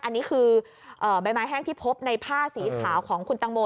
อันนี้คือใบไม้แห้งที่พบในผ้าสีขาวของคุณตังโม